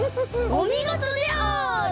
おみごとである。